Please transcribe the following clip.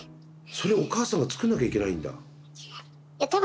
それお母さんがつくんなきゃいけないんだ。